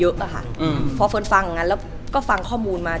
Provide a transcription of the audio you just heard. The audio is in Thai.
เหมือนนางก็เริ่มรู้แล้วเหมือนนางก็เริ่มรู้แล้ว